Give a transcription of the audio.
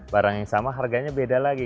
barang yang sama harganya beda lagi